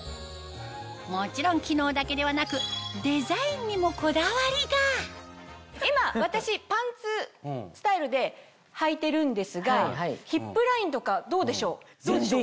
もちろん機能だけではなくデザインにもこだわりが今私パンツスタイルではいてるんですがヒップラインとかどうでしょう？